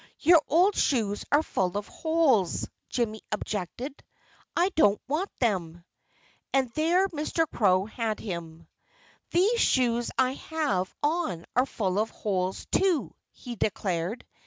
"Your old shoes are full of holes," Jimmy objected. "I don't want them." And there Mr. Crow had him. "These shoes I have on are full of holes, too," he declared.